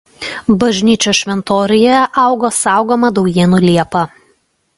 Bažnyčios šventoriuje auga saugoma Daujėnų liepa.